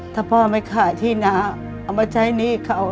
ถ้าพ่อไม่ขายที่นาเอามาใช้หนี้เขา